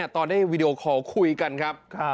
ตอนได้วีดีโอคอลคุยกันครับ